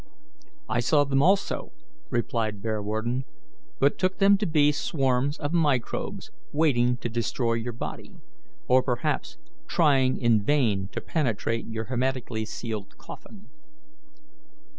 "I saw them also," replied Bearwarden, "but took them to be swarms of microbes waiting to destroy your body, or perhaps trying in vain to penetrate your hermetically sealed coffin."